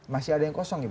masih ada yang kosong ya